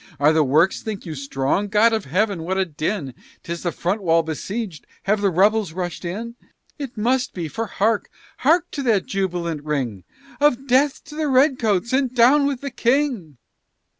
Are the works, think you, strong? God of heaven, what a din! 'Tis the front wall besieged have the rebels rushed in? It must be; for, hark! hark to that jubilant ring Of 'death to the Redcoats, and down with the King!'"